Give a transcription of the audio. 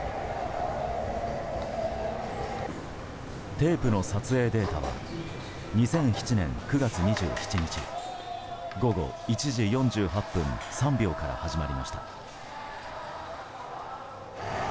テープの撮影データは２００７年９月２７日午後１時４８分３秒から始まりました。